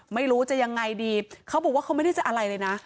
ไม่รู้จะยังไงดีเขาบอกว่าเขาไม่ได้จะอะไรเลยนะ